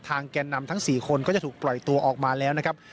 แก่นำทั้ง๔คนก็จะถูกปล่อยตัวออกมาแล้วนะครับ